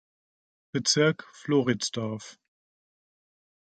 Bezirk, Floridsdorf.